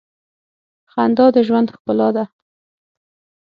خندا د ژوند ښکلا ده.